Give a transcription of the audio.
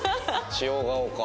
塩顔か。